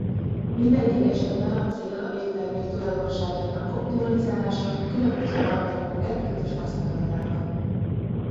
Mindegyik esetben a cél a végtermék tulajdonságainak optimalizálása különböző alapanyagok együttes használatával.